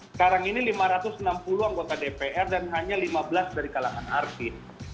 sekarang ini lima ratus enam puluh anggota dpr dan hanya lima belas dari kalangan artis